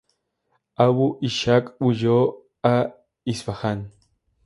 Abu Ishaq huyó a Isfahán.